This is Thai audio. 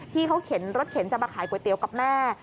เข็นรถเข็นจะมาขายก๋วยเตี๋ยวกับแม่